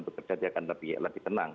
bekerja dia akan lebih tenang